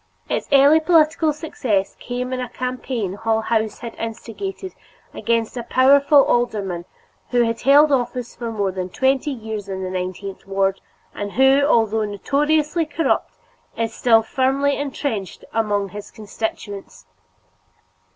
Its early political success came in a campaign Hull House had instigated against a powerful alderman who has held office for more than twenty years in the nineteenth ward, and who, although notoriously corrupt, is still firmly intrenched among his constituents.